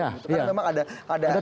karena memang ada nafas nafas